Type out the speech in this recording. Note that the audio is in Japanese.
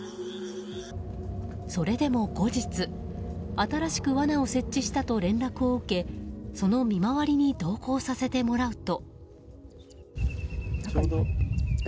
それでも、後日新しくわなを設置したと連絡を受け、その見回りに同行させてもらうと。